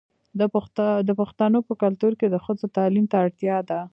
د پښتنو په کلتور کې د ښځو تعلیم ته اړتیا ده.